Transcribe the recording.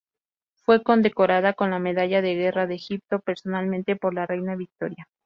Fue condecorado con la Medalla de Guerra de Egipto personalmente por la reina Victoria.